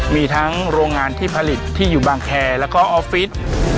มีทั้งโรงงานที่ผลิตที่อยู่บางแคร์แล้วก็ออฟฟิศ